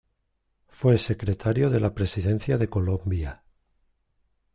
Fue Secretario de La Presidencia de Colombia.